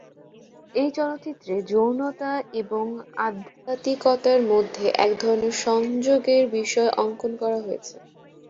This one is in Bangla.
এই চলচ্চিত্রে যৌনতা এবং আধ্যাত্মিকতার মধ্যে একধরনের সংযোগের বিষয় অঙ্কন করা হয়েছে।